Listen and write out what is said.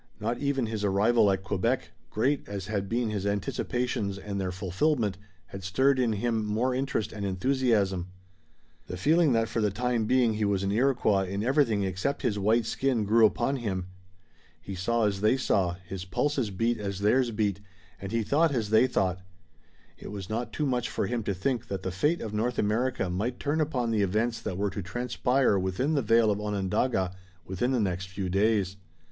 Not even his arrival at Quebec, great as had been his anticipations and their fulfillment, had stirred in him more interest and enthusiasm. The feeling that for the time being he was an Iroquois in everything except his white skin grew upon him. He saw as they saw, his pulses beat as theirs beat, and he thought as they thought. It was not too much for him to think that the fate of North America might turn upon the events that were to transpire within the vale of Onondaga within the next few days.